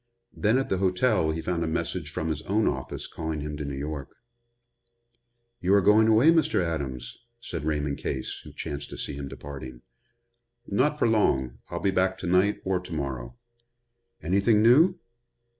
Then at the hotel he found a message from his own office calling him to New York. "You are going away, Mr. Adams?" said Raymond Case, who chanced to see him departing. "Not for long. I'll be back to night or to morrow." "Anything new?"